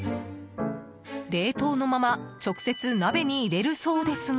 冷凍のまま直接鍋に入れるそうですが。